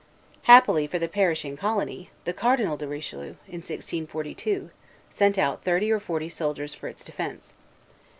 Happily for the perishing colony, the Cardinal de Richelieu, in 1642, sent out thirty or forty soldiers for its defence.